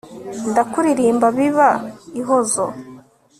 ndakuririmba biba ihozo